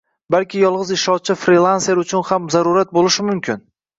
balki yolg’iz ishlovchi frilanserlar uchun ham zarurat bo’lishi mumkin